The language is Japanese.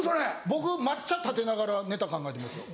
僕抹茶たてながらネタ考えてますよ。